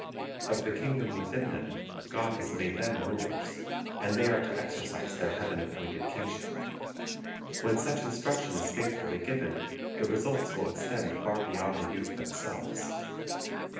Of the kingdom within them God has made them rulers, and they are to exercise their Heaven appointed kingship. When such instruction is faithfully given, the results will extend far beyond the youth themselves.